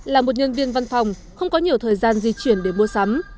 là một nhân viên văn phòng không có nhiều thời gian di chuyển để mua sắm